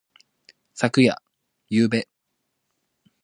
昨夜。ゆうべ。